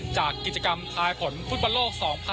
จากกิจกรรมทายผลฟุตบอลโลก๒๐๑๖